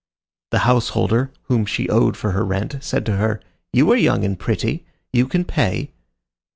The householder, whom she owed for her rent, said to her, "You are young and pretty; you can pay."